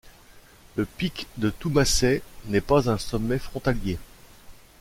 Le pic de Thoumasset n'est pas un sommet frontalier.